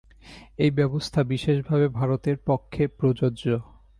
এই ব্যবস্থা বিশেষভাবে ভারতের পক্ষে প্রযোজ্য।